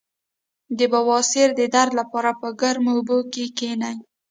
د بواسیر د درد لپاره په ګرمو اوبو کینئ